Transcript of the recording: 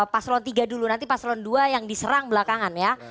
paslon tiga dulu nanti paslon dua yang diserang belakangnya